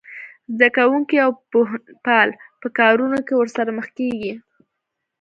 زده کوونکي او پوهنپال په کارونه کې ورسره مخ کېږي